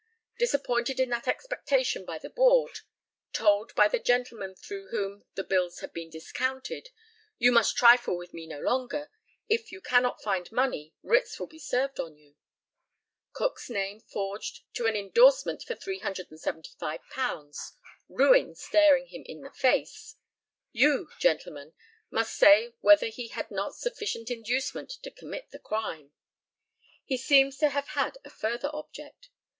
Disappointed in that expectation by the board; told by the gentleman through whom the bills had been discounted, "You must trifle with me no longer if you cannot find money, writs will be served on you;" Cook's name forged to an endorsement for £375; ruin staring him in the face you, gentlemen, must say whether he had not sufficient inducement to commit the crime. He seems to have had a further object.